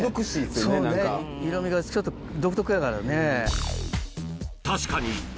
そうね色みがちょっと独特やからね。